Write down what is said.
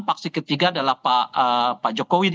faksi ketiga adalah pak jokowi